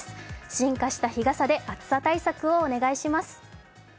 進化した日傘で暑さ対策をお願いします。